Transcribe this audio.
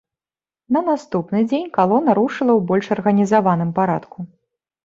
На наступны дзень калона рушыла у больш арганізаваным парадку.